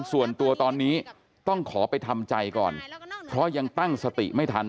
ส่วนตัวตอนนี้ต้องขอไปทำใจก่อนเพราะยังตั้งสติไม่ทัน